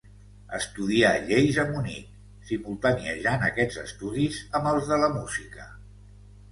Estudià lleis a Munic, simultaniejant aquests estudis amb els de la música.